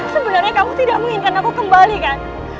sebenarnya kamu tidak menginginkan aku kembali kan